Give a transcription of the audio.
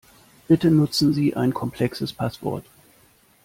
Bitte nutzen Sie ein komplexes Passwort.